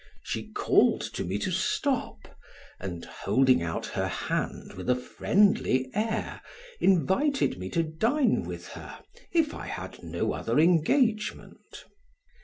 She called to me to stop, and, holding out her hand with a friendly air, invited me to dine with her if I had no other engagement.